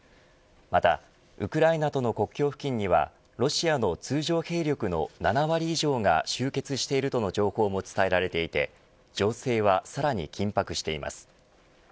またウクライナとの国境付近にはロシアの通常兵力の７割以上が集結しているとの情報も伝えられていて情勢はさらに緊迫しています。